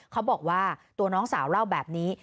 เขาบอกว่าตัวน้องสาวเล่าแบบนี้